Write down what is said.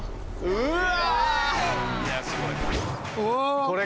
うわ。